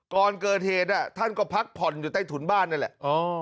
ก่อนเกิดเหตุท่านก็พักผ่อนอยู่ใต้ถุนบ้านนั่นแหละ